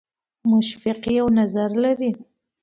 مشفق یو نظر لري.